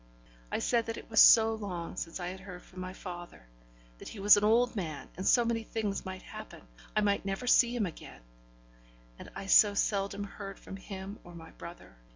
I said that it was so long since I had heard from my father; that he was an old man, and so many things might happen I might never see him again and I so seldom heard from him or my brother.